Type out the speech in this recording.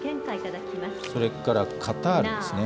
それからカタールですね。